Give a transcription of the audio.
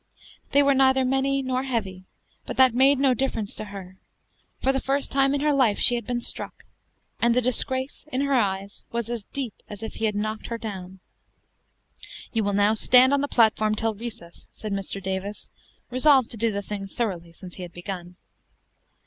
They were neither many nor heavy, but that made no difference to her. For the first time in her life she had been struck; and the disgrace, in her eyes, was as deep as if he had knocked her down. "You will now stand on the platform till recess," said Mr. Davis, resolved to do the thing thoroughly, since he had begun.